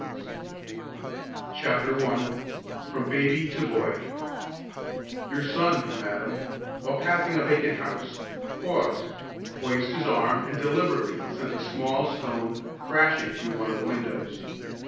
Bringing up the Boy I FROM BABY TO BOY Your son, madam, while passing a vacant house, paused, poised his arm and deliberately sent a small stone crashing through one of the windows.